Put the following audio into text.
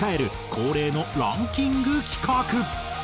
恒例のランキング企画。